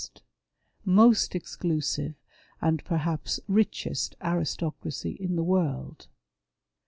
ETC. 117 most exclusive, and perhaps richest aristocracy in the world.